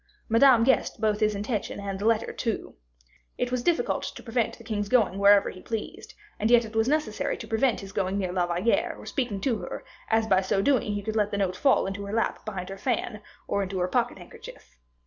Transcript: Madame guessed both his intention and the letter too. It was difficult to prevent the king going wherever he pleased, and yet it was necessary to prevent his going near La Valliere, or speaking to her, as by so doing he could let the note fall into her lap behind her fan, or into her pocket handkerchief.